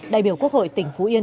đại biểu quốc hội tỉnh phú yên